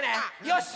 よし！